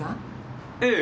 ええ。